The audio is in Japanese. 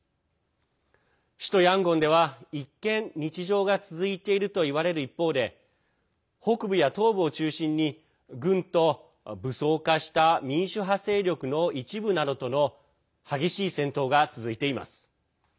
首都ヤンゴンでは一見、日常が続いているといわれる一方で北部や東部を中心に、軍と武装化した民主派勢力の一部などとの激しい戦闘が続いています。